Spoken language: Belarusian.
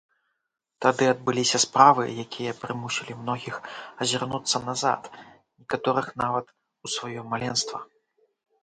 Тады адбыліся справы, якія прымусілі многіх азірнуцца назад, некаторых нават у сваё маленства.